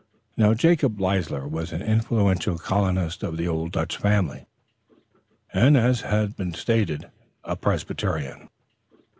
Jacob Leisler was an influential colonist of an old Dutch family, as has been stated, and a Presbyterian.